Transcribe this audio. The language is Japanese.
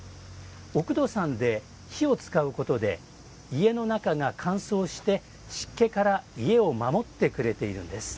おくどさんで火を使うことで家の中が乾燥して湿気から家を守ってくれているんです。